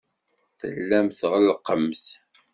Tellamt tɣellqemt.